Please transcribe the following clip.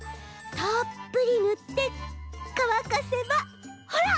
たっぷりぬってかわかせばほら！